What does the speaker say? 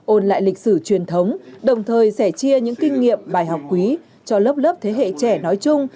ôn lại lịch sử truyền thống đồng thời sẻ chia những kinh nghiệm bài học quý cho lớp lớp thế hệ trẻ nói chung